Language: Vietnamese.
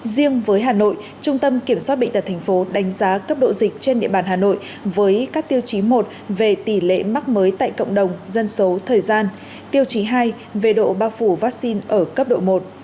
riêng với hà nội trung tâm kiểm soát bệnh tật tp đánh giá cấp độ dịch trên địa bàn hà nội với các tiêu chí một về tỷ lệ mắc mới tại cộng đồng dân số thời gian tiêu chí hai về độ bao phủ vaccine ở cấp độ một